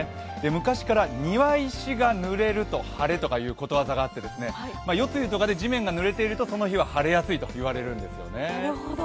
昔から、庭石がぬれると晴れということわざがあって、夜露とかで地面がぬれているとその日は晴れやすいといわれるんですよね。